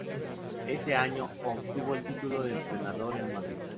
Ese año obtuvo el título de entrenador en Madrid.